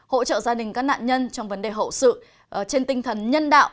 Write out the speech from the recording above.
hỗ trợ gia đình các nạn nhân trong vấn đề hậu sự trên tinh thần nhân đạo